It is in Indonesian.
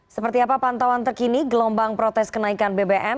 seperti apa pantauan terkini gelombang protes kenaikan bbm